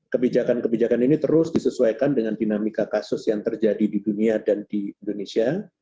kebijakan kebijakan ini terus disesuaikan dengan dinamika kasus yang terjadi di dunia dan di indonesia